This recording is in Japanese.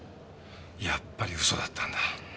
やっぱり嘘だったんだ。